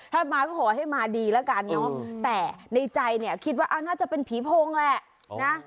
ถ้ามาก็ขอให้มาดีแล้วกันเนอะแต่ในใจเนี่ยคิดว่าน่าจะเป็นผีโพงแหละนะ